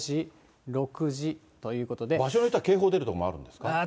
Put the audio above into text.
場所によっては、警報出る所もあるんですか？